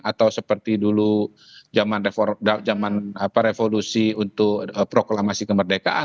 atau seperti dulu zaman revolusi untuk proklamasi kemerdekaan